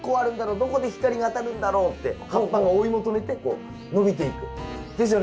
どこで光が当たるんだろうって葉っぱが追い求めてこう伸びていく。ですよね？